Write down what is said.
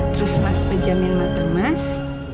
terus mas pejamin mata mas